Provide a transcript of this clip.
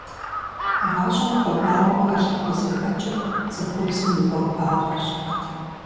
ГъащӀэм хуабагъэу хэлъыр къызыхэкӀыр цӀыхубзым и гуапагъэращ.